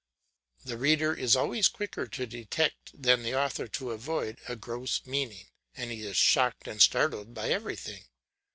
The reader is always quicker to detect than the author to avoid a gross meaning, and he is shocked and startled by everything.